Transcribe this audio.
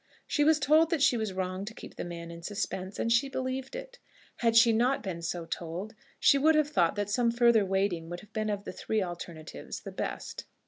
She was told that she was wrong to keep the man in suspense, and she believed it. Had she not been so told, she would have thought that some further waiting would have been of the three alternatives the best.